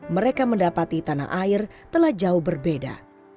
mereka mendapati tanah air telah jauh berbeda